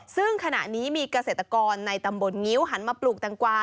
ซึ่งขณะนี้มีเกษตรกรในตำบลงิ้วหันมาปลูกแตงกวา